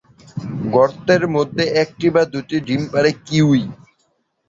গর্তের মধ্যে একটি বা দুটি ডিম পাড়ে কিউই।